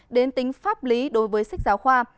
đến tính pháp lý đối với sách giáo khoa